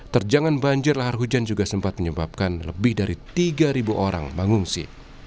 terjangan banjir lahar hujan juga sempat menyebabkan lebih dari tiga orang mengungsi